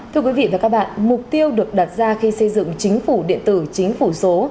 thưa quý vị và các bạn mục tiêu được đặt ra khi xây dựng chính phủ điện tử chính phủ số